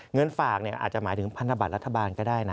เงินฝากอาจจะหมายถึงพันธบัตรรัฐบาลก็ได้นะ